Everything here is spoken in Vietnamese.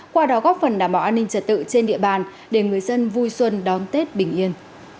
qua đó góp phần đảm bảo an ninh trật tự trên địa bàn để người dân vui xuân đón tết bình yên